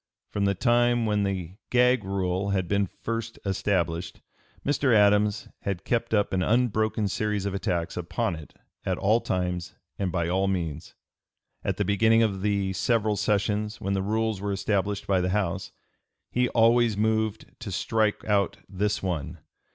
From the time when the "gag" rule had been first established, Mr. Adams had kept up an unbroken series of attacks upon it at all times and by all means. At the beginning of the several sessions, when the rules were established by the House, he always moved to strike out this one.